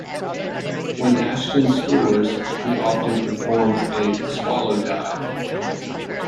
When Ashton scores, he often performs a "swallow dive".